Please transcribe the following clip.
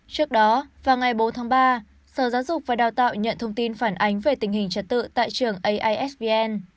trước đó vào ngày bốn tháng ba sở giáo dục và đào tạo nhận thông tin phản ánh về tình hình trật tự tại trường aisbn